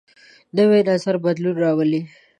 نوی نظر بدلون راولي